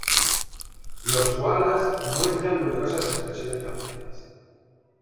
Los koalas muestran numerosas expresiones faciales.